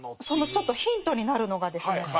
そのちょっとヒントになるのがですね